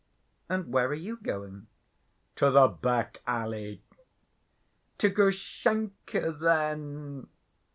"And where are you going?" "To the back‐alley." "To Grushenka, then!"